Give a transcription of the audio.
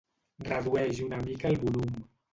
Redueix una mica el volum.